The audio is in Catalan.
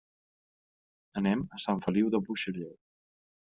Anem a Sant Feliu de Buixalleu.